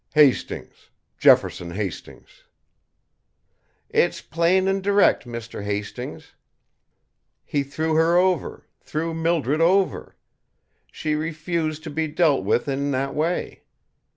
"Hastings Jefferson Hastings." "It's plain and direct, Mr. Hastings. He threw her over, threw Mildred over. She refused to be dealt with in that way.